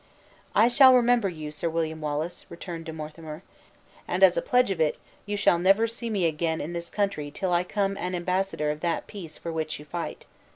"I shall remember you, Sir William Wallace!" returned De Monthermer; "and, as a pledge of it, you shall never see me again in this country till I come an embassador of that peace for which you fight.